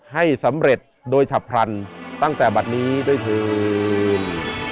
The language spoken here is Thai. ให้สำเร็จโดยฉับพลันตั้งแต่บัตรนี้ด้วยเถิน